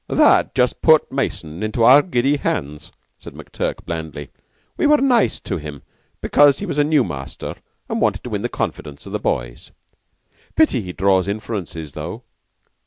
"That just put Mason into our giddy hands," said McTurk, blandly. "We were nice to him, because he was a new master and wanted to win the confidence of the boys. 'Pity he draws inferences, though.